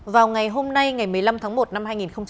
vào ngày hôm nay ngày một mươi năm tháng một năm hai nghìn hai mươi